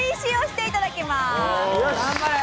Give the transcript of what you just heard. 頑張れ！